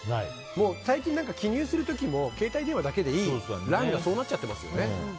最近、記入する時も携帯電話だけでいい欄がそうなっちゃってますもんね。